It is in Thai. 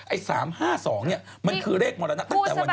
ไอ้๓๕๒เนี่ยมันคือเลขมรณะตั้งแต่วันนี้